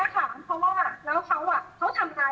ของน้องก็คือจะเป็นรายการสุดท้ายที่พี่จะไม่คุยแล้ว